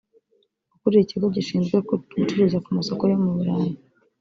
ukuriye Ikigo gishinzwe Gucuruza ku masoko yo mu Burayi